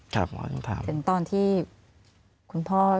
ถึงตอนที่คุณพ่อ